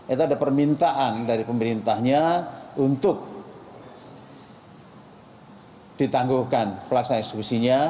itu ada permintaan dari pemerintahnya untuk ditangguhkan pelaksanaan eksekusinya